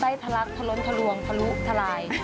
ไส้ทระลักษณ์ทะล้นทะหลวงทะลุทราย